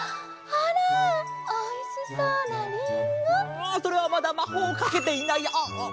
ああそれはまだまほうをかけていないあっあっ。